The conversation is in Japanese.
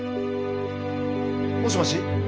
もしもし？